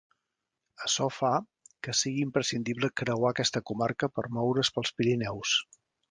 Açò fa que sigui imprescindible creuar aquesta comarca per moure's pels Pirineus.